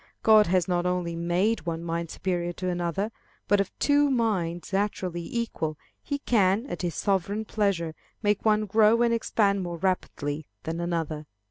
God has not only made one mind superior to another, but of two minds naturally equal, he can, at his sovereign pleasure, make one grow and expand more rapidly than another.